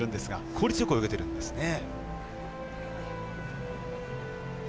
効率よく泳げているんですね。